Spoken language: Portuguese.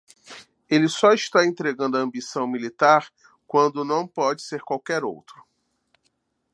Ele só está entregando a ambição militar quando não pode ser qualquer outro.